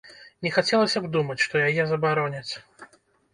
Не хацелася б думаць, што яе забароняць.